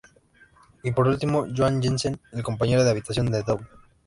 Y por último, Noah Jensen, el compañero de habitación de Devon.